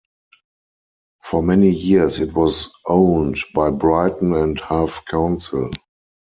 For many years it was owned by Brighton and Hove Council.